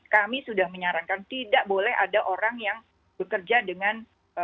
kami sudah menyarankan tidak boleh ada orang yang bekerja dengan